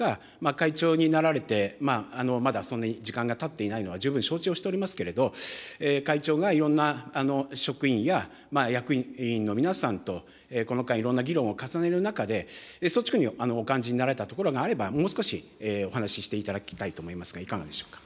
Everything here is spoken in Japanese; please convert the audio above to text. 会長になられて、まだそんなに時間がたっていないのは十分承知をしておりますけれど、会長がいろんな職員や役員の皆さんと、この間いろんな議論を重ねる中で、率直にお感じになられたところがあれば、もう少しお話ししていただきたいと思いますが、いかがでしょうか。